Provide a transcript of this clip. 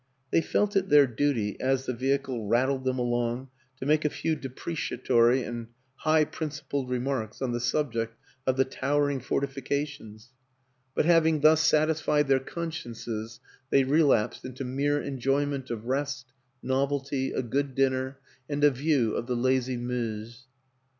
They felt it their duty as the vehicle rattled them along to make a few depreciatory and high principled remarks on the subject of the towering fortifications; but having WILLIAM AN ENGLISHMAN 41 thus satisfied their consciences they relapsed into mere enjoyment of rest, novelty, a good dinner, and a view of the lazy Meuse.